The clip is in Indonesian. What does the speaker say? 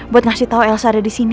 buat ngasih tau elsa ada di sini